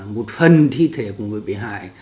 một phần thi thể của người bị hại